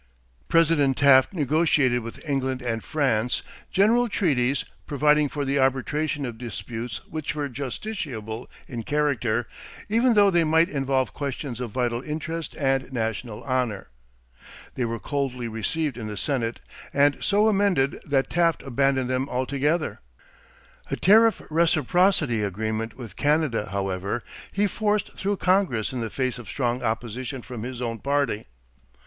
President Taft negotiated with England and France general treaties providing for the arbitration of disputes which were "justiciable" in character even though they might involve questions of "vital interest and national honor." They were coldly received in the Senate and so amended that Taft abandoned them altogether. A tariff reciprocity agreement with Canada, however, he forced through Congress in the face of strong opposition from his own party.